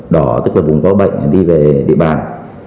đỏ tức là vùng có bệnh đi về địa bàn